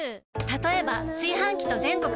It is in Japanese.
たとえば炊飯器と全国